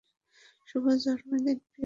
শুভ জন্মদিন, প্রিয় নীহারিকা।